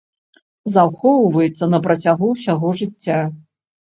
Захоўваецца на працягу ўсяго жыцця.